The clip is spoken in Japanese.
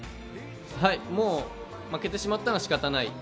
もう負けてしまったら仕方ない。